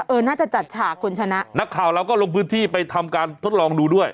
น่าจะจัดฉากคุณชนะนักข่าวเราก็ลงพื้นที่ไปทำการทดลองดูด้วย